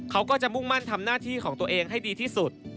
เขาก็จะมุ่งมั่นทำหน้าที่ของตัวเองให้ดีที่สุด